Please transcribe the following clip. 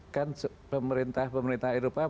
kan pemerintah pemerintah eropa